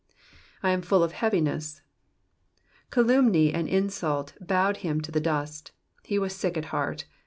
^''And I am full of heaviness,'*'* Calumny and insult bowed him to the dust ; he was sick at heart.